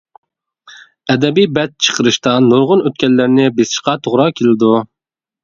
ئەدەبىي بەت چىقىرىشتا نۇرغۇن ئۆتكەللەرنى بېسىشقا توغرا كېلىدۇ.